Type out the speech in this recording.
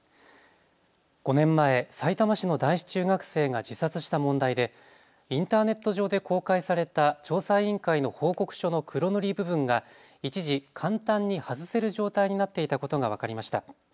５年前、さいたま市の男子中学生が自殺した問題でインターネット上で公開された調査委員会の報告書の黒塗り部分が一時、簡単に外せる状態になっていたことが分かりました。